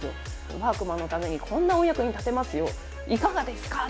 ワークマンのためにこんなお役に立てますよ、いかがですか！？